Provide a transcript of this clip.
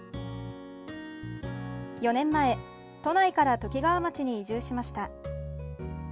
４年前、都内からときがわ町に移住しました。